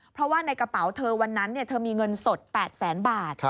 เพราะว่าในกระเป๋าเธอวันนั้นเธอมีเงินสด๘แสนบาท